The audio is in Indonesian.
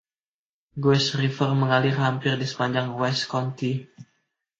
Guest River mengalir hampir di sepanjang Wise County.